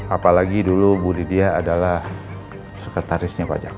apalagi dulu ibu lydia adalah sekretarisnya pak jaka